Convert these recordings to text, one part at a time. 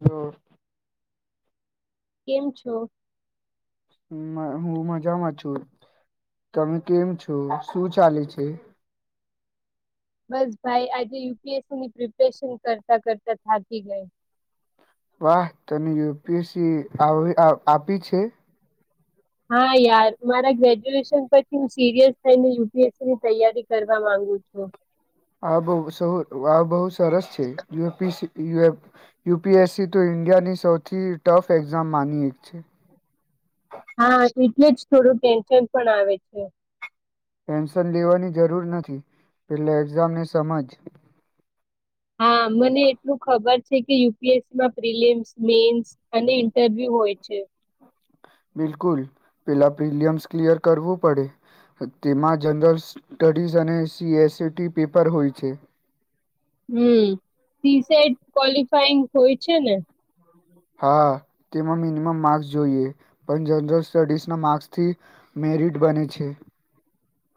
હા [inaudible] કેમ છો? હું મજામાં છું તમે કેમ છો શું ચાલે છે. બસ ભાઈ આજે યુપીએસસીની પ્રિપરેશન કરતાં કરતાં થાકી ગઈ. વાહ તને યુપીએસસી આવ આપી છે. હા યાર મારા ગ્રેજ્યુએશન પરથી હું સીરિયસ થઈને યુપીએસસી ની તૈયારી કરવા માંગુ છું. આ બ આ બહુ સરસ છે જો પી સી યુપીએસસી તો ઇન્ડિયાની સૌથી ટફ એક્ઝામ માની એક છે. હા એટલે જ થોડું ટેન્શન પણ આવે છે. ટેન્શન લેવાની જરૂર નથી પેલા એક્ઝામને સમજ હા મને એટલું ખબર છે કે યુપીએસસી માં પ્રિલિમ્સ, મેન્સ અને ઇન્ટરવ્યુ હોય છે. બિલકુલ પેલા પ્રિલિયમ્સ ક્લિયર કરવું પડે તેમાં જનરલ સ્ટડીઝ અને સીએસીટી પેપર હોય છે. હમ પી સાઈડ ક્વોલિફાઈંગ હોય છે ને? હા તેમાં મિનિમમ માર્ક્સ જોઈએ. પણ જનરલ સ્ટડીઝના માર્ક્સથી મેરિટ બને છે.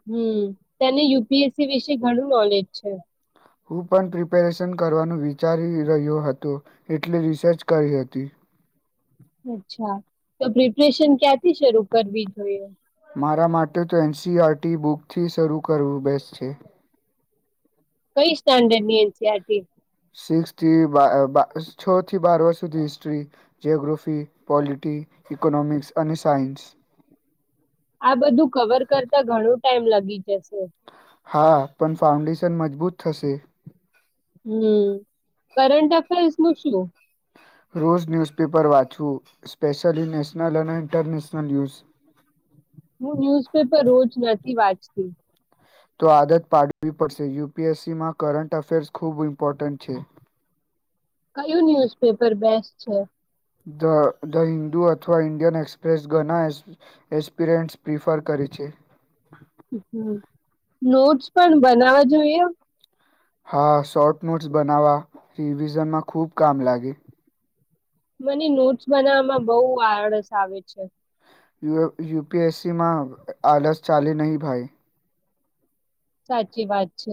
હમ તને યુપીએસસી વિશે ઘણું નોલેજ છે. હું પણ પ્રિપેરેશન કરવાનું વિચારી રહ્યો હતો. એટલે રિસર્ચ કરી હતી. અચ્છા તો પ્રિપરેશન ક્યાંથી શરૂ કરવી જોઈએ? મારા માટે તો એનસીઆરટી બુકથી શરૂ કરવું બેસ્ટ છે. કઈ સ્ટાન્ડર્ડની એનસીઆરટી? સિક્સથી બા અ બા છ થી બારવા સુધી હિસ્ટ્રી જીઓગ્રફી, પોલિટી, ઇકોનોમિક્સ અને સાઈન્સ આ બધું કવર કરતા ઘણું ટાઈમ લગી જશે. હા પણ ફાઉન્ડેશન મજબૂત થશે. હમ કરંટ અફેર્સ નું શું? રોઝ ન્યૂઝપેપર વાંચવું. સ્પેશિયલી નેશનલ અને ઇન્ટરનેશનલ ન્યૂઝ હું ન્યૂઝપેપર રોજ નથી વાંચતી. તો આદત પાડવી પડશે યુપીએસસીમાં કરંટ અફેર્સ ખૂબ ઇમ્પોર્ટન્ટ છે. કયું ન્યુઝપેપર બેસ છે? ધ ધ હિન્દુ અથવા ઈન્ડિયન એક્સપ્રેસ ઘના એસ એસ્પિરન્ટ્સ પ્રિફર કરે છે. હમ નોટ્સ પણ બનાવા જોઈએ? હા શોર્ટ નોટ્સ બનાવા રિવિઝનમાં ખુબ કામ લાગે. મને નોટ્સ બનાવામાં બહુ આળસ આવે છે. યુએ યુપીએસસીમાં આલસ ચાલે નહીં ભાઈ સાચી વાત છે.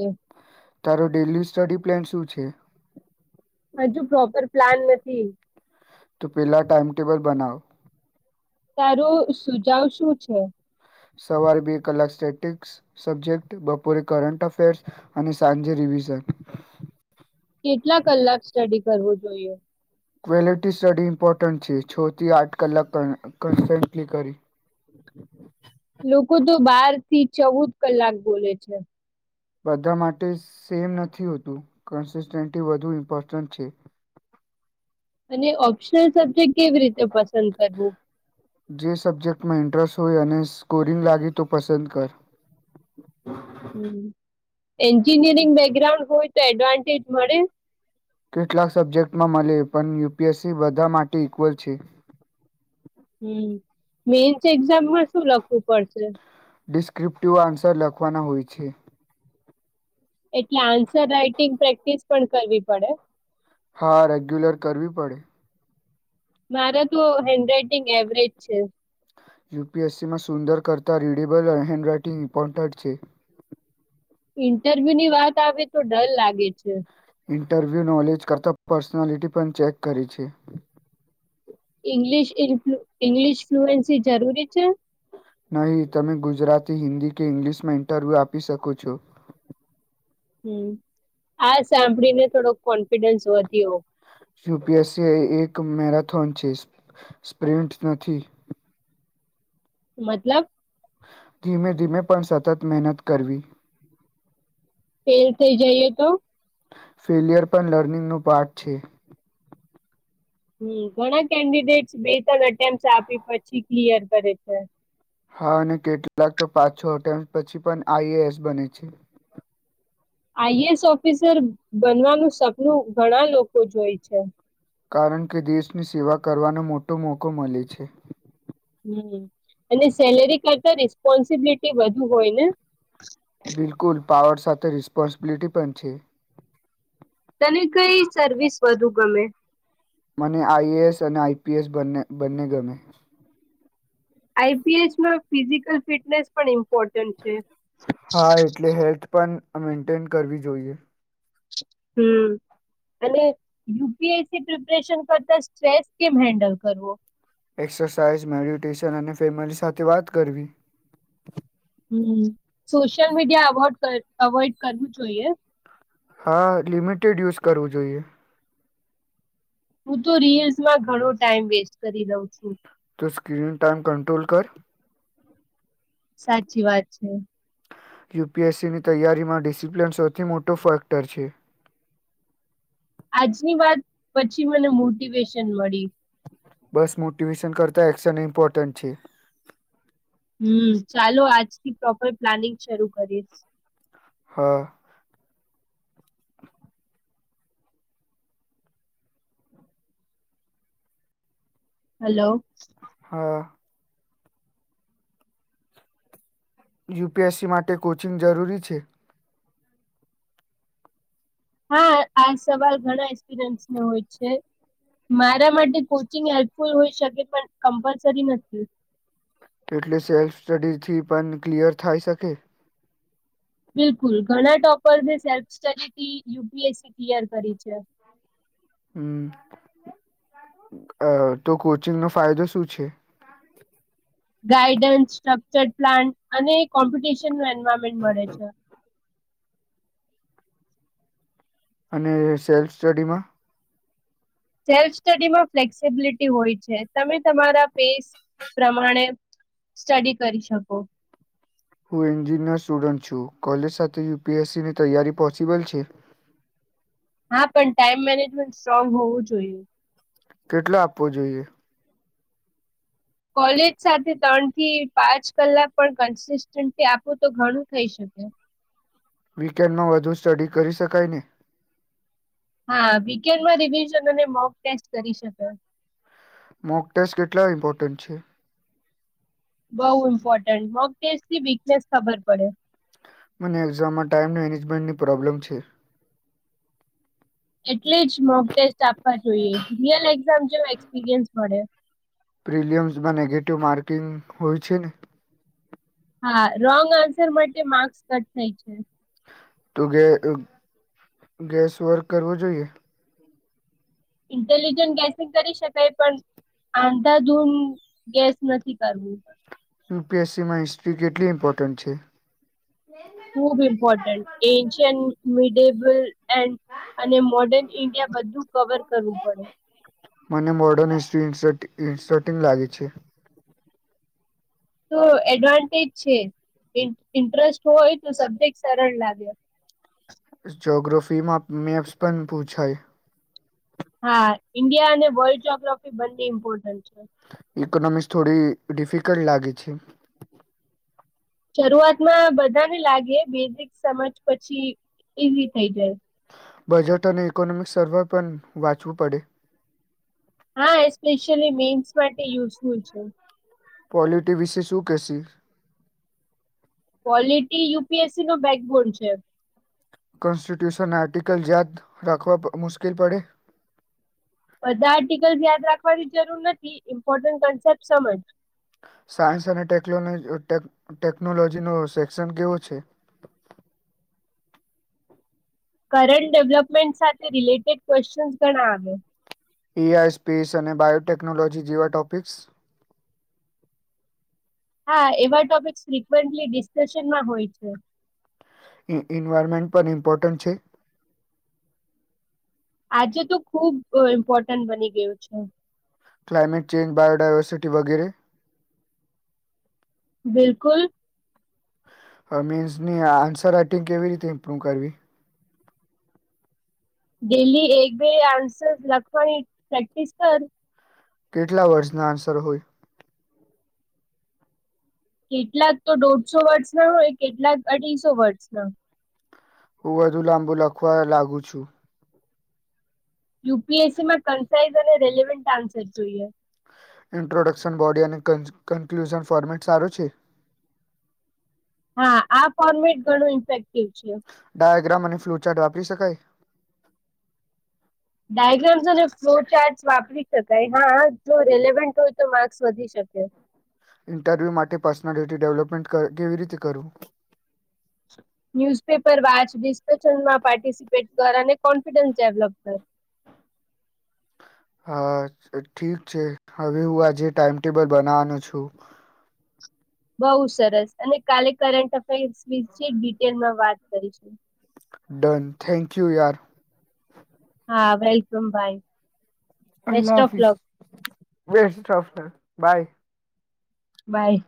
તારો ડેલી સ્ટડી પ્લેન શું છે? હજુ પ્રોપર પ્લાન નથી તો પેલા ટાઈમટેબલ બનાવ. તારો સુજાવ શું છે? સવારે બે કલાક સ્ટેટિક્સ સબ્જેક્ટ, બપોરે કરંટ અફેર્સ અને સાંજે રિવિઝન કેટલા કલાક સ્ટડી કરવું જોઈએ? ક્વલિટી સ્ટડી ઇમ્પોર્ટન્ટ છે. છ થી આઠ કલાક ક કન્સ્ટન્ટલી કરી લોકો તો બાર થી ચૌદ કલાક બોલે છે. બધા માટે સેમ નથી હોતું. કનસિસ્ટન્ટી વધુ ઇમ્પોર્ટન્ટ છે. અને ઓપ્શન નલ સબ્જેક્ટ કેવી રીતે પસંદ કરવું? જે સબ્જેક્ટમાં ઇન્ટરેસ્ટ હોય અને સ્કોરિંગ લાગી તો પસંદ કર. હમ એન્જિનિયરિંગ બેકગ્રાઉન્ડ હોય તો એડવાન્ટેજ મળે? કેટલાક સબ્જેક્ટમાં મલે પણ યુપીએસસી બધા માટે ઈક્વલ છે. હમ મેન્સ એક્ઝામમાં શું લખવું પડશે? ડિસ્ક્રિપ્ટિવ આન્સર લખવાના હોય છે. એટલે આન્સર રાઈટિંગ પ્રેક્ટિસ પણ કરવી પડે? હા રેગ્યુલર કરવી પડે. મારા તો હેન્ડ રાઈટિંગ એવરેજ છે. યુપીએસસીમાં સુંદર કરતાં રીડેબલ હેન્ડ રાઈટિંગ ઇમ્પોર્ટન્ટ છે. ઇન્ટરવ્યુની વાત આવે તો ડર લાગે છે. ઇન્ટરવ્યુ નોલેજ કરતાં પર્સનાલિટી પણ ચેક કરે છે. ઈ ફ્લૂ ઇંગ્લિશ ફ્લુએન્સી જરૂરી છે? નહીં તમે ગુજરાતી, હિન્દી કે ઇંગ્લિશમાં ઇન્ટરવ્યુ આપી શકો છો. હમ આ સાંભળીને થોડો કોન્ફિડન્સ વધ્યો. યુપીએસસી એક મેરાથોન છે સ્પ્રિન્ટ નથી મતલબ ધીમે ધીમે પણ સતત મહેનત કરવી ફેલ થઈ જઈએ તો ફેલ્યયર પણ લર્નિંગનું પાર્ટ છે હમ ઘણા કેન્ડિડેટ્સ બે ત્રણ એટેમ્પ આપી પછી ક્લિયર કરે છે હા અને કેટલાક તો પાછ છ હોટે પછી પણ આઈએ એસ બને છે આઈએએસ ઓફિસર બનવાનું સપનું ઘણા લોકો જોય છે કારણ કે દેશની સેવા કરવાનો મોટો મોકો મળે છે હમ અને સેલેરી કરતા રિસ્પોન્સિબિલિટી વધુ હોય ને બિલકુલ પાવર સાથે રિસ્પોન્સિબિલિટી પણ છે તને કઈ સર્વિસ વધુ ગમે મને આઈએ એસ અને આઈપીએસ બને બંને ગમે આઈપીએસમાં ફિઝિકલ ફિટનેસ પણ ઇમ્પોર્ટન્ટ છે હા એટલે હેલ્થ પણ મેન્ટેન કરવી જોઈએ હમ અને યુપીએસસી પ્રિપરેેશન કરતા સ્ટ્રેસ કેમ હેન્ડલ કરવો એક્સરસાઇઝ મેડિટેશન અને ફેમિલી સાથે વાત કરવી હમ સોશિયલ મીડિયા અવોડ અવોઈડ કરવું જોઈએ હા લિમિટેડ યુઝ કરવું જોઈએ હું તો રીલ્સમાં ઘણો ટાઈમ વેસ્ટ કરી રહઉ છું તો સ્ક્રીન ટાઈમ કંટ્રોલ કર સાચી વાત છે યુપીએસસીની તૈયારીમાં ડિસિપ્લિન સૌથી મોટો ફેક્ટર છે આજની વાત પછી મને મોટિવેશન મળી બસ મોટિવેશન કરતા એક્શન ઇમ્પોર્ટન્ટ છે હમ ચાલો આજથી પ્રોપર પ્લાનિંગ શરૂ કરીશ હા હલો હા યુપીએસસી માટે કોચિંગ જરૂરી છે હા આ સવાલ ઘણા એક્સપિરિયન્સને હોય છે મારા માટે કોચિંગ હેલ્પફુલ હોઈ શકે પણ કમ્પલસરી નથી એટલે સેલ્ફ સ્ટડી થી પણ ક્લિયર થાય શકે બિલકુલ ઘણા ટોપર્સે સેલ્ફ સ્ટડીથી યુપીએસસી ક્લિયર કરી છે હમ અ તો કોચિંગ નો ફાયદો શું છે ગાઈડન્સ સ્ટ્રક્ચર પ્લાન્ટ અને કોમ્પિટિશન ટુર્નામેન્ટ મળે છે અને સેલ્ફ સ્ટડીમાં સેલ્ફ સ્ટડીમાં ફ્લેક્સિબિલિટી હોય છે તમે તમારા પેસ પ્રમાણે સ્ટડી કરી શકો હું એન્જિનિયર સ્ટુડન્ટ છું કોલેજ સાથે યુપીએસસી ની તૈયારી પોસિબલ છે હા પણ ટાઈમ મેનેજમેન્ટ સ્ટ્રોંગ હોવું જોઈએ કેટલો આપવો જોઈએ કોલેજ સાથે ત્રણ થી પાંચ કલાક પણ કન્સિસ્ટન્ટસી આપું તો ઘણું થઈ શકે વીકેન્ડ ન વધુ સ્ટડી કરી શકાય ને હા વીકેન્ડમાં રિવિઝન અને મોક ટેસ્ટ કરી શકે મોક ટેસ્ટ કેટલા ઇમ્પોર્ટન્ટ છે બઉુ ઇમ્પોર્ટન્ટ મગ ટેસ્ટ વીકનેસ ખબર પડે મને એક્ઝામમાં ટાઈમ મેનેજમેન્ટની પ્રોબ્લેમ છે એટલી જ મોક ટેસ્ટ આપવા જોઈએ રિયલ એક્ઝામ જેમ એક્સપિરિયન્સ મળે પ્રિલિયમ્સમાં નેગેટિવ માર્કિંગ હોય છે ને હા રોંગ આન્સર માટે માર્ક્સ કટ થાય છે. તો ગે ગેસ વર્ક કરવો જોઈએ. ઇન્ટેલિજન્ટ ગેસિંગ કરી શકાય પણ આંધાધુન ગેસ નથી કરવું. યુ પી એસ સી માં હિસ્ટ્રી કેટલી ઇમ્પોર્ટન્ટ છે? ખૂબ ઈમ્પોર્ટન્ટ એન્સિયન મિડેબલ એન્ડ અને મોર્ડર્ન ઇન્ડિયા બધું કવર કરવું પડે. મને મોડર્ન હિસ્ટ્રી ઇન્સર્ટ ઇન્સ્ટર્ટિંગ લાગે છે. તો એડવાન્ટેજ છે ઇન્ટ્રસ્ટ હોય તો સબ્જેક્ટ સરળ લાગે. જગ્રફી માં મેપ્સ પણ પૂછાય. હા ઇન્ડિયા અને વર્લ્ડ જગ્રાફી બંને ઇમ્પોર્ટન્ટ છે. ઇકોનોમિક્સ થોડી ડિફિકલ્ટ લાગે છે. શરૂઆતમાં બધાને લાગે બેઝિક સમજ પછી ઈઝી થઈ જાય. બજેટ અને ઇકોનોમિક સર્વે પણ વાંચવું પડે. હા એસ્પેશિયલી મેન્સ માટે યુસફુલ છે. પોલિટી વિશે શું કેસી polity U P S C નો બેકગોડ છે કોન્સ્ટિટ્યુશન આર્ટિકલ યાદ રાખવા મુશ્કેલ પડે. બધા આર્ટિકલ્સ યાદ રાખવાની જરૂર નથી ઇમ્પોર્ટન્ટ કોન્સેપ્ટ સમજ. સાયન્સ અને ટેકનોલોજી અ ટેકનોલોજી નો સેક્શન કેવો છે? કરંન્ટ ડેવલપમેન્ટ સાથે રિલેટેડ ક્વેશ્ચન્સ ઘણા આવે. ઈ આઈ સ્પેસ અને બાયોટેકનોલોજી જેવા ટોપિક્સ. હા એવા ટોપિકસ ફ્રિકવેન્ટલી ડિસ્કશનમાં હોય છે. ઇન્વાયરમેન્ટ પણ ઇમ્પોર્ટન્ટ છે? આજે તો ખુબ ઇમ્પોર્ટન્ટ બની ગયું છે. ક્લાઇમેટ ચેન્જ બાયોડાયવર્સિટી વગેરે. બિલકુલ. મીન્સ ની આન્સર રાઈટિંગ કેવી રીતે ઇમ્પ્રુવ કરવી? ડેલી એક બે આન્સર લખવાની પ્રેક્ટિસ કર. કેટલા વર્ષ ના આન્સર હોય? કેટલાક તો દોઢસો વર્ષ ના હોય કેટલાક અઢીસો વર્ષના. હું વધુ લાંબુ લખવા લાગુ છું. યુ પી એસ સી માં કન્સાઇઝ અને રેલવેન્ટ આન્સર જોઈએ. ઇન્ટ્રોડક્શન બોડી અને કન્ક્લુઝન ફોર્મેટ સારું છે. હા આ ફોર્મેટ ઘણું ઇન્ફેક્ટ. ડાયગ્રામ અને ફ્લુચેટ આપ રી શકાય. ડાયગ્રામ્સ અને ફ્લો ચાર્ટસ વાપરી શકાય હા જો રેલેવન્ટ હોય તો માર્ક્સ વધી શકે. ઇન્ટરવ્યુ માટે પર્સનાલિટી ડેવલપમેન્ટ કેવી રીતે કરવું? ન્યૂઝપેપર વાચ ડિસ્કશનમાં પાર્ટિસિપેટ કર અને કોન્ફિડન્સ ડેવલપ કર. હા ઠીક છે હવે હું આજે ટાઈમટેબલ બનવાનો છું. બઉ સરસ અને કાલે કરંટ અફેર્સ વિશે ડિટેલમાં વાત કરીશું ડન થેન્ક યુ યાર. હા વેલકમ બાય. અલ્હ હાફિ બેસ્ટફ. બાય. બાય.